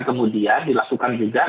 kemudian dilakukan juga